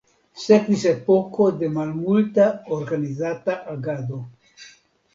Sekvis epoko de malmulta organizata agado.